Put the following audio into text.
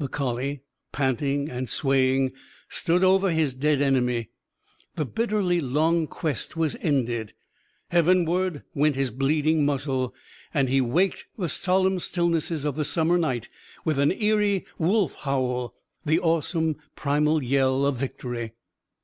The collie, panting and swaying, stood over his dead enemy. The bitterly long quest was ended. Heavenward went his bleeding muzzle. And he waked the solemn stillnesses of the summer night with an eerie wolf howl, the awesome primal yell of Victory.